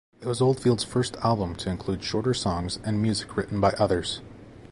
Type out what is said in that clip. It was Oldfield's first album to include shorter songs and music written by others.